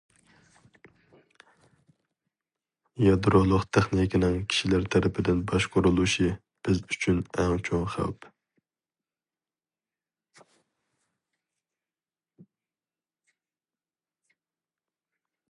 يادرولۇق تېخنىكىنىڭ كىشىلەر تەرىپىدىن باشقۇرۇلۇشى بىز ئۈچۈن ئەڭ چوڭ خەۋپ.